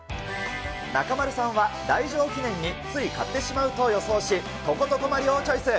中丸さんは来場記念につい買ってしまうと予想し、トコトコマリオをチョイス。